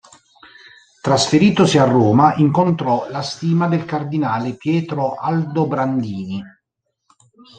Trasferitosi a Roma, incontrò la stima del cardinale Pietro Aldobrandini.